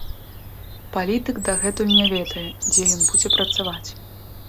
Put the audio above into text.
Палітык дагэтуль не ведае, дзе ён будзе працаваць.